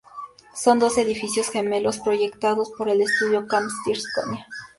Son dos edificios gemelos, proyectados por el estudio Camps-Tiscornia.